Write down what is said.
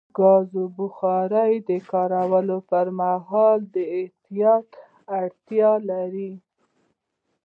د ګازو بخاري د کارولو پر مهال د احتیاط اړتیا لري.